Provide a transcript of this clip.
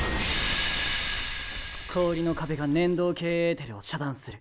氷の壁が念動系エーテルを遮断する。